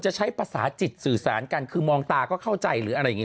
ใช้ภาษาจิตสื่อสารกันคือมองตาก็เข้าใจหรืออะไรอย่างนี้